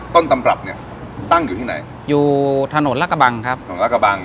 ต้นตำรับเนี้ยตั้งอยู่ที่ไหนอยู่ถนนละกระบังครับถนนลากระบัง